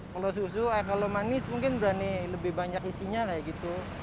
kalau susu kalau manis mungkin berani lebih banyak isinya kayak gitu